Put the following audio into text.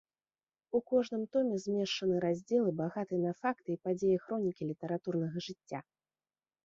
У кожным томе змешчаны раздзелы багатай на факты і падзеі хронікі літаратурнага жыцця.